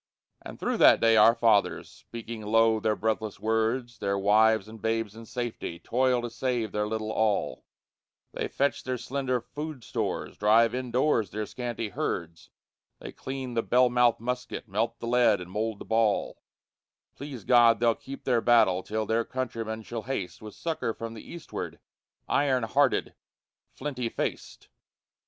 But through that day our fathers, speaking low their breathless words, Their wives and babes in safety, toil to save their little all; They fetch their slender food stores, drive indoors their scanty herds, They clean the bell mouthed musket, melt the lead and mould the ball; Please God they'll keep their battle till their countrymen shall haste With succor from the eastward, iron hearted, flinty faced.